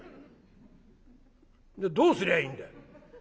「じゃどうすりゃいいんだい？」。